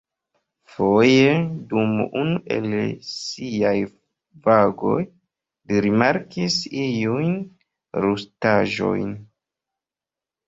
Foje, dum unu el siaj vagoj, li rimarkis iujn rustaĵojn.